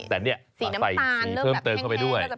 แต่นี่ใส่สีเพิ่มเติมเข้าไปด้วย